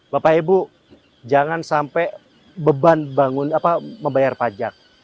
bapak ibu jangan sampai beban apa membayar pajak